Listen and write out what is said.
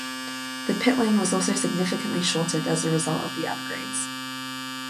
The pit lane was also significantly shortened as a result of the upgrades.